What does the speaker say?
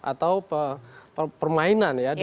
atau penggorengan saham